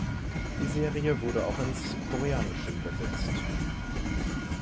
Die Serie wurde auch ins Koreanische übersetzt.